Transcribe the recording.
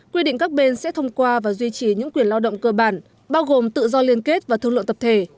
quy định các bên sẽ thông qua và duy trì những quyền lao động cơ bản bao gồm tự do liên kết và thương lượng tập thể